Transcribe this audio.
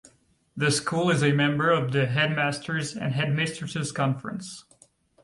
The school is a member of the Headmasters' and Headmistresses' Conference.